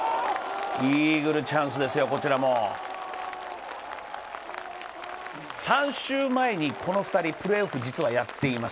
イーグルチャンスですよ、こちらも３週前にこの２人、プレーオフを実はやっています。